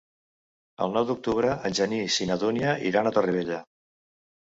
El nou d'octubre en Genís i na Dúnia iran a Torrevella.